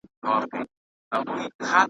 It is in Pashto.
زور د شلو انسانانو ورسره وو .